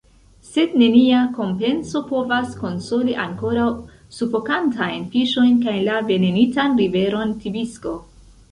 Sed nenia kompenso povas konsoli ankoraŭ sufokantajn fiŝojn kaj la venenitan riveron Tibisko.